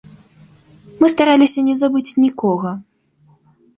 Мы стараліся не забыць нікога.